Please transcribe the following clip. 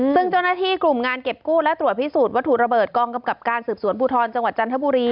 ซึ่งเจ้าหน้าที่กลุ่มงานเก็บกู้และตรวจพิสูจนวัตถุระเบิดกองกำกับการสืบสวนภูทรจังหวัดจันทบุรี